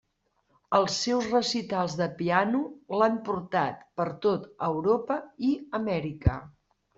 Els seus recitals de piano l'han portat per tot Europa i Amèrica.